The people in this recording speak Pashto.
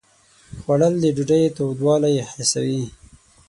خوړل د ډوډۍ تودوالی حسوي